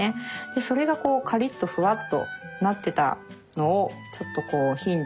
それがこうカリッとふわっとなってたのをちょっとこうヒントに。